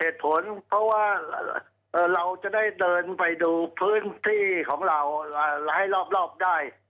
เหตุผลเพราะว่าเราจะได้เดินไปดูพื้นที่ของเราหลายรอบได้